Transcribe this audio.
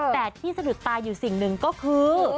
แต่ที่สะดุดตาอยู่สิ่งหนึ่งก็คือ